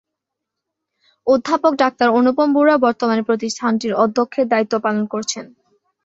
অধ্যাপক ডাক্তার অনুপম বড়ুয়া বর্তমানে প্রতিষ্ঠানটির অধ্যক্ষের দায়িত্ব পালন করছেন।